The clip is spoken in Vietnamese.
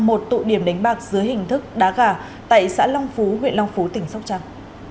một tụ điểm đánh bạc dưới hình thức đá gà tại xã long phú huyện long phú tỉnh sóc trăng